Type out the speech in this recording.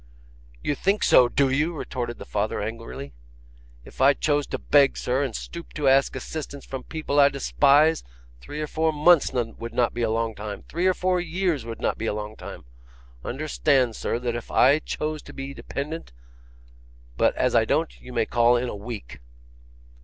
'YOU think so, do you?' retorted the father, angrily. 'If I chose to beg, sir, and stoop to ask assistance from people I despise, three or four months would not be a long time; three or four years would not be a long time. Understand, sir, that is if I chose to be dependent; but as I don't, you may call in a week.